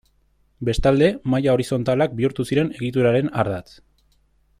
Bestalde, maila horizontalak bihurtu ziren egituraren ardatz.